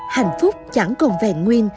hạnh phúc chẳng còn vẹn nguyên